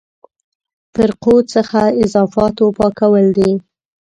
فرقو څخه اضافاتو پاکول دي.